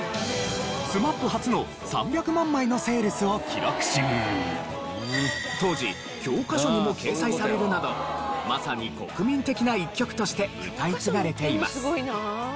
ＳＭＡＰ初の３００万枚のセールスを記録し当時教科書にも掲載されるなどまさに国民的な１曲として歌い継がれています。